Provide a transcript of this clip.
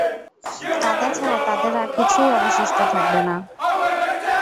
কাদা ছাড়া তাদের আর কিছুই অবশিষ্ট থাকবে না।